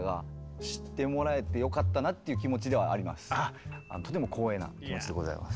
よりとても光栄な気持ちでございます。